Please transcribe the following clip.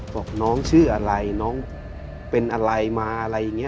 บอกน้องชื่ออะไรน้องเป็นอะไรมาอะไรอย่างนี้